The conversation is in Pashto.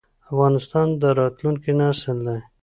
افغانستان د راتلونکي نسل دی؟